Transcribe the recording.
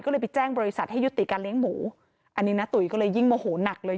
ก็เลยไปแจ้งบริษัทให้ยุติการเลี้ยงหมูอันนี้นะตุ๋ยก็เลยยิ่งโมโหนักเลย